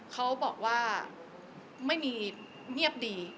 เขาบอกว่าไม่มีเงียบดี